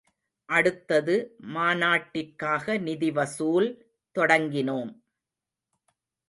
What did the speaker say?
அடுத்தது மாநாட்டிற்காக நிதி வசூல் தொடங்கினோம்.